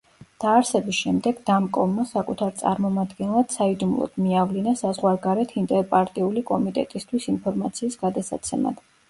დაარსების შემდეგ დამკომმა საკუთარ წარმომადგენლად საიდუმლოდ მიავლინა საზღვარგარეთ ინტერპარტიული კომიტეტისთვის ინფორმაციის გადასაცემად.